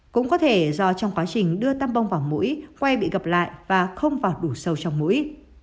cũng có thể do trong quá trình đưa tam bông vào mũi quay bị gặp lại và không vào đủ sâu trong mũi